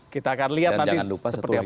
kita akan lihat nanti seperti apa